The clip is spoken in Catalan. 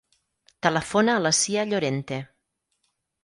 Telefona a la Sia Llorente.